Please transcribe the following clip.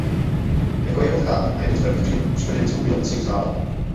Jako jeho tchán a jeden z prvních přívrženců byl obecně uznáván.